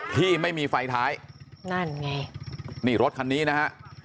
ที่ไม่มีไฟท้ายนั่นไงนี่รถคันนี้นะฮะ